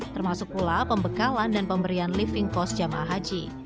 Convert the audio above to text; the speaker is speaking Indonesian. termasuk pula pembekalan dan pemberian living cost jamaah haji